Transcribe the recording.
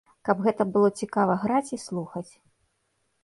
Каб гэта было цікава граць і слухаць.